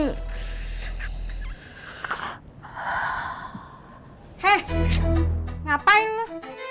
heh ngapain lu